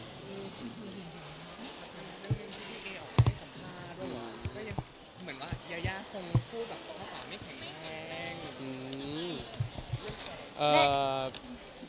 เหมือนว่ายายาคงพูดแบบภาษาไม่แข็งแรง